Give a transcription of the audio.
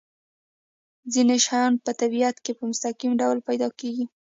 ځینې شیان په طبیعت کې په مستقیم ډول پیدا کیږي.